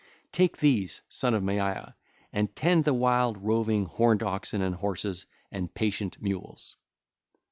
Take these, Son of Maia, and tend the wild roving, horned oxen and horses and patient mules.